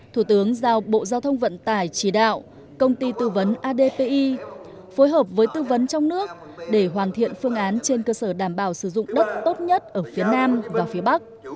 thủ tướng giao bộ giao thông vận tải chỉ đạo công ty tư vấn adpi phối hợp với tư vấn trong nước để hoàn thiện phương án trên cơ sở đảm bảo sử dụng đất tốt nhất ở phía nam và phía bắc